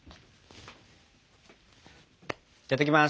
いただきます。